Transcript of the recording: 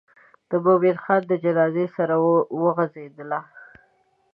د مومن خان د جنازې سره وغزېدله.